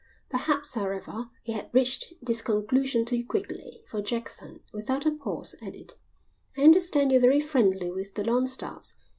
Perhaps, however, he had reached this conclusion too quickly, for Jackson, without a pause, added: "I understand you're very friendly with the Longstaffes.